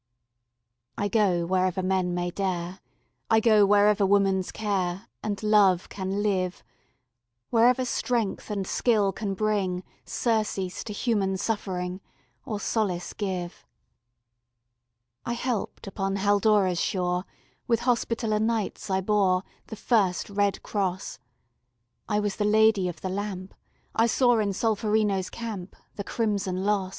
I go wherever men may dare, I go wherever woman's care And love can live, Wherever strength and skill can bring Surcease to human suffering, Or solace give. I helped upon Haldora's shore; With Hospitaller Knights I bore The first red cross; I was the Lady of the Lamp; I saw in Solferino's camp The crimson loss.